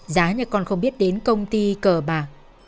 giá như con không biết đến công ty cờ bạc